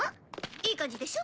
いい感じでしょ？